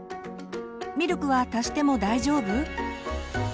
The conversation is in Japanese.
「ミルクは足しても大丈夫？」。